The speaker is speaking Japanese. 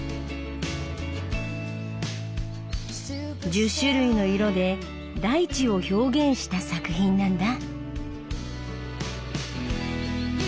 １０種類の色で大地を表現した作品なんだ。